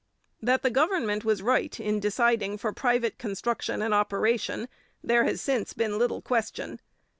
That the government was right in deciding for private construction and operation, there has since been little question.